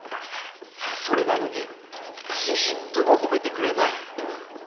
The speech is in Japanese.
それなのにちっともほめてくれない。